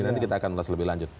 nanti kita akan ulas lebih lanjut